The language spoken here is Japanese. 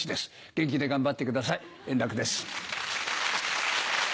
元気で頑張ってください円楽です。